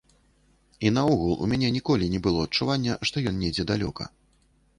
І наогул, у мяне ніколі не было адчування, што ён недзе далёка.